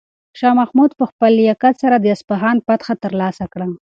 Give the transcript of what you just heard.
شاه محمود په خپل لیاقت سره د اصفهان فتحه ترلاسه کړه.